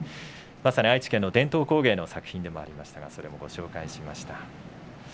まさに愛知県の伝統工芸の作品でもありましたがそれをご紹介しました。